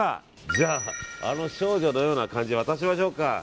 じゃあ、あの少女のような感じで転がしましょうか。